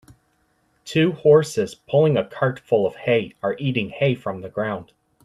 Two horses, pulling a cart full of hay, are eating hay from the ground.